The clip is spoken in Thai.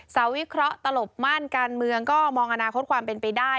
สาวิเคราะห์ตลบม่านการเมืองก็มองอนาคตความเป็นไปได้